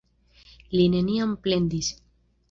Li neniam plendis.